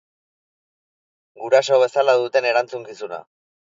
Guraso bezala duten erantzukizuna.